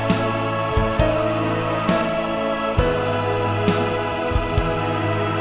tinggal di banyak tempat